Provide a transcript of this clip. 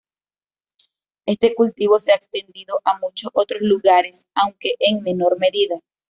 Este cultivo se ha extendido a muchos otros lugares, aunque en menor medida.